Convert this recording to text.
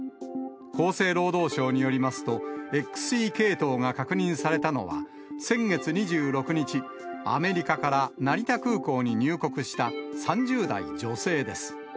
厚生労働省によりますと、ＸＥ系統が確認されたのは、先月２６日、アメリカから成田空港に入国した３０代女性です。